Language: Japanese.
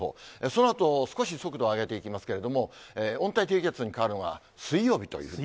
そのあと、少し速度を上げていきますけれども、温帯低気圧に変わるのが水曜日。